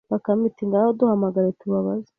Bakame iti Ngaho duhamagare tubabaze